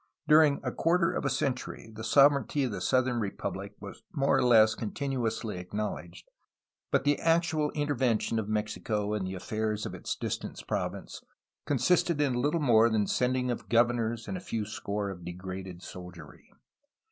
During a quarter of a century the sov ereignty of the southern republic was more or less con tinuously acknowledged, but the actual intervention of Mexico in the affairs of its distant province consisted in little more than the sending of governors and a few score of degraded soldiery.